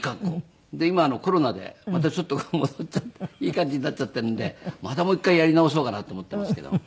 今コロナでまたちょっと戻っちゃっていい感じになっちゃっているんでまたもう一回やり直そうかなと思ってますけど。